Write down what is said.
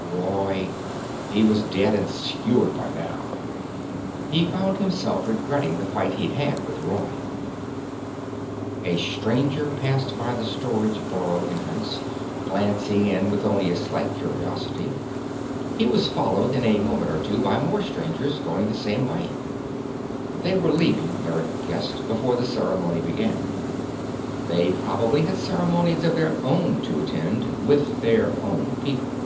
Roy! He was dead and sewered by now. He found himself regretting the fight he'd had with Roy. A Stranger passed by the storage burrow entrance, glancing in with only a slight curiosity. He was followed in a moment by two more Strangers, going the same way. They were leaving, Eric guessed, before the ceremony began. They probably had ceremonies of their own to attend with their own people.